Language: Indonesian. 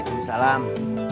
udah abis ini sihestro